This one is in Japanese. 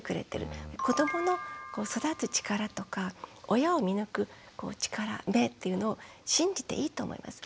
子どもの育つ力とか親を見抜く力目っていうのを信じていいと思います。